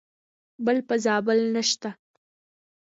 بل په زابل نشته .